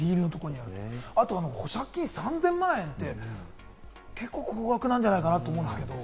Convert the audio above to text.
あと保釈金３０００万円って結構、高額なんじゃないかと思うんですけれども。